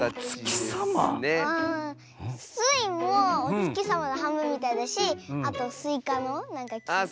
スイもおつきさまのはんぶんみたいだしあとスイカのきったかんじ。